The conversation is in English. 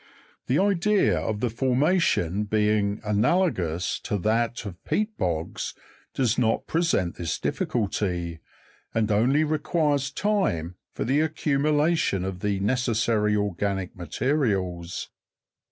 The idea of the formation being analogous to that of peat bogs does not present this difficulty, arid only requires lime for the accumulation of the necessary organic materials.